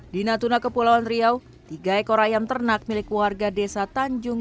di natuna kepulauan riau tiga ekor ayam ternak milik warga desa tanjung